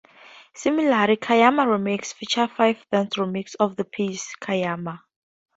Similarly, "Kayama Remix" features five dance remixes of the piece "Kayama".